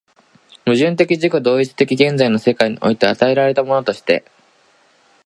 矛盾的自己同一的現在の世界において与えられたものとして、